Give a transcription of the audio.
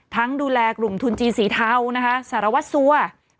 ทั้งดูแลกลุ่มทุนจีนสีเทาสารวัสซัวร์